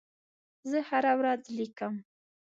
زه هره ورځ لیکم.